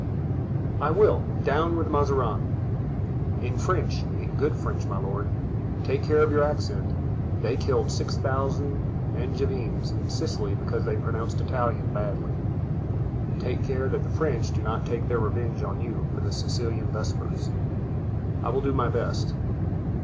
'" "I will: 'Down with Mazarin'" "In French, in good French, my lord, take care of your accent; they killed six thousand Angevins in Sicily because they pronounced Italian badly. Take care that the French do not take their revenge on you for the Sicilian vespers." "I will do my best."